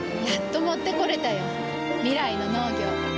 やっと持ってこれたよ。未来の農業。